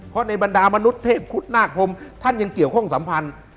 เพราะในบรรดามนุษย์เทพคุดนาคพรมท่านยังเกี่ยวข้องสัมพันธ์